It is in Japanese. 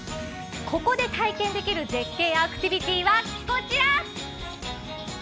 ここで体験できる絶景アクティビティはこちら。